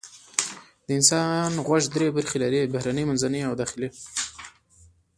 د انسان غوږ درې برخې لري: بهرنی، منځنی او داخلي.